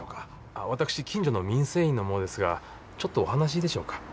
私近所の民生委員の者ですがちょっとお話いいでしょうか？